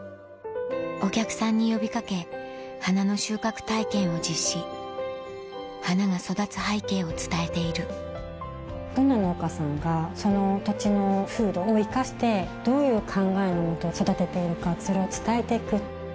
お客さんに呼び掛け花の収穫体験を実施花が育つ背景を伝えているどんな農家さんがその土地の風土を生かしてどういう考えのもと育てているかそれを伝えていく。